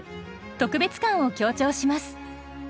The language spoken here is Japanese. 特別感を強調します。